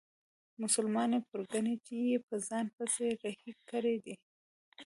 مسلمانې پرګنې یې په ځان پسې رهي کړي دي.